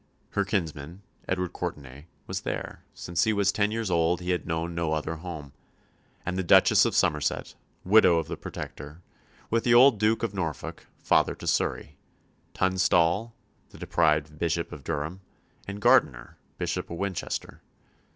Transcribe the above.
Her kinsman, Edward Courtenay, was there since he was ten years old he had known no other home and the Duchess of Somerset, widow of the Protector, with the old Duke of Norfolk, father to Surrey, Tunstall, the deprived Bishop of Durham, and Gardiner, Bishop of Winchester.